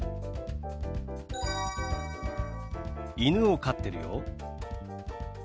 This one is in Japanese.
犬を飼ってるよ。